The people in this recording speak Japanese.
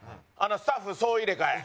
スタッフ総入れ替え。